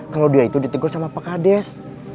kalau dia itu ditegur sama pak kades